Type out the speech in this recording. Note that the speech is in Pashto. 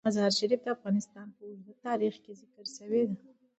مزارشریف د افغانستان په اوږده تاریخ کې ذکر شوی دی.